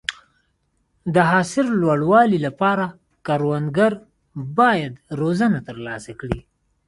د حاصل د لوړوالي لپاره کروندګر باید روزنه ترلاسه کړي.